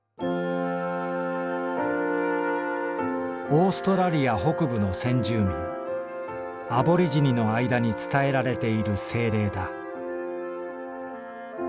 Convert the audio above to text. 「オーストラリア北部の先住民アボリジニのあいだに伝えられている精霊だ」。